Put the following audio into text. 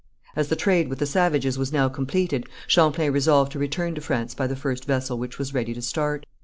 As the trade with the savages was now completed, Champlain resolved to return to France by the first vessel which was ready to start.